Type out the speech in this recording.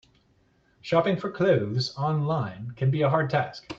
Shopping for clothes online can be a hard task.